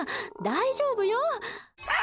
大丈夫よ！